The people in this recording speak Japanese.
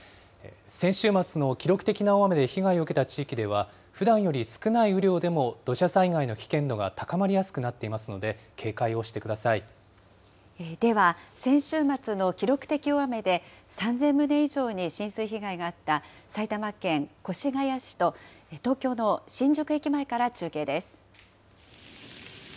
先週末の記録的な大雨で被害を受けた地域では、ふだんより少ない雨量でも、土砂災害の危険度が高まりやすくなっていますので、警では、先週末の記録的大雨で３０００棟以上に浸水被害があった埼玉県越谷市と、東京の新宿駅前から中継です。